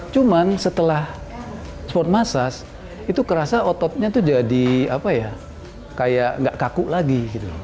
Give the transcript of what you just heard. cuman setelah sport massage itu kerasa ototnya itu jadi kayak nggak kaku lagi